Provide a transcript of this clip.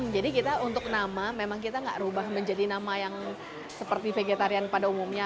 jadi kita untuk nama memang kita gak rubah menjadi nama yang seperti vegetarian pada umumnya